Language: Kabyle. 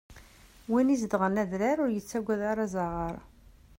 Win izedɣen adrar ur yettagad ara azaɣar.